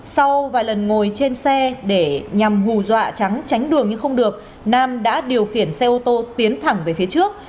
sau vài lần ngồi trên xe để nhằm hù dọa trắng tránh đường nhưng không được nam đã điều khiển xe ô tô tiến thẳng về phía trước